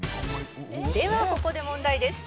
「ではここで問題です」